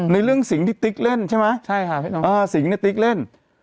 ในเรื่องสิงที่ติ๊กเล่นใช่ไหมสิงติ๊กเล่น